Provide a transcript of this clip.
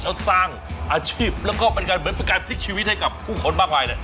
แล้วสร้างอาชีพแล้วก็เป็นการเหมือนเป็นการพลิกชีวิตให้กับผู้คนมากมายเลย